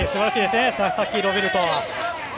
佐々木ロベルト。